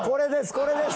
これです。